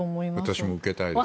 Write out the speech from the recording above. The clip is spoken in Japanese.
私も受けたいです。